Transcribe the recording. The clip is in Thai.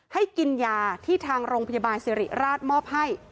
ให้กินยาที่ทางโรงพยาบาลสิริราชมอบให้